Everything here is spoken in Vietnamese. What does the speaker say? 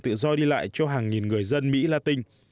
tự do đi lại cho hàng nghìn người dân mỹ la tinh